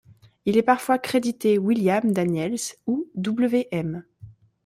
Il est parfois crédité William Daniels ou Wm.